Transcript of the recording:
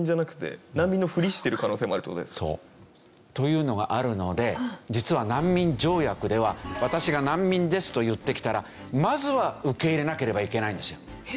というのがあるので実は難民条約では「私が難民です」と言ってきたらまずは受け入れなければいけないんですよ。